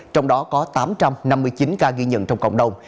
trong đó có tám trăm năm mươi chín ca ghi nhận trong cộng đồng